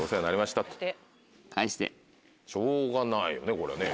しょうがないよねこれね。